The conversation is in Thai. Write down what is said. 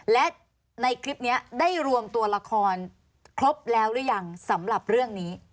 และในคลิปนี้ได้รวมตัวละครครบแล้วหรือยังสำหรับเรื่องนี้